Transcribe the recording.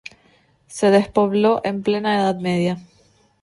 Se despobló en plena Edad Media.